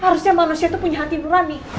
harusnya manusia itu punya hati nurani